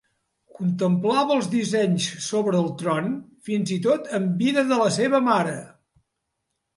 Contemplava els dissenys sobre el tron, fins i tot en vida de la seva mare.